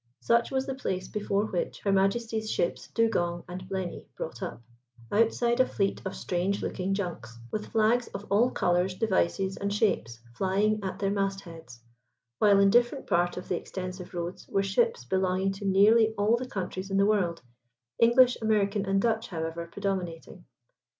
Such was the place before which her Majesty's ships Dugong and Blenny brought up, outside a fleet of strange looking junks, with flags of all colours, devices, and shapes flying at their mast heads, while in different part of the extensive roads were ships belonging to nearly all the countries in the world, English, American, and Dutch, however, predominating.